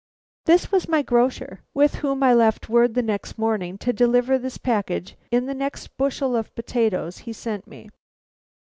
This was my grocer, with whom I left word the next morning to deliver this package in the next bushel of potatoes he sent me.